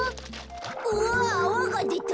うわっあわがでた。